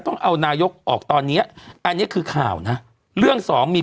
ต้องเอานายกออกตอนเนี้ยอันเนี้ยคือข่าวนะเรื่องสองมี